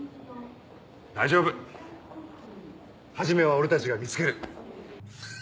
大丈夫始は俺たちが見つける。